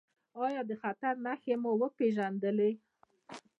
ایا د خطر نښې مو وپیژندلې؟